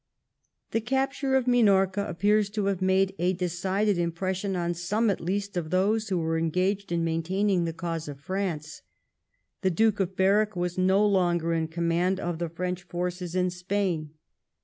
The capture of Minorca appears to have made a decided impression on some at least of those who were engaged in maintaining the cause of France. The Duke of Berwick was no longer in command of the French forces in Spain.